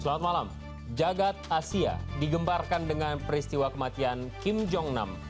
selamat malam jagad asia digembarkan dengan peristiwa kematian kim jong nam